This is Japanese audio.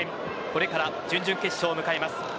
これから準々決勝を迎えます。